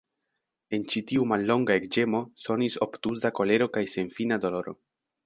En ĉi tiu mallonga ekĝemo sonis obtuza kolero kaj senfina doloro.